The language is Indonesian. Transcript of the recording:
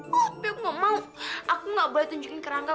tapi aku gak mau aku gak boleh tunjukin ke rangga